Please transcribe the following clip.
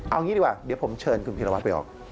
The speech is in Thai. เอางี้ดีกว่าเดี๋ยวผมเชิญคุณพีรวัตรไปออก